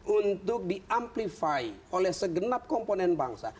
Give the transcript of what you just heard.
untuk di amplify oleh segenap komponen bangsa